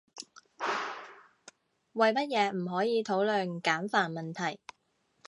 為乜嘢唔可以討論簡繁問題？